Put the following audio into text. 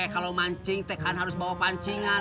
kalau mancing tekan harus bawa pancingan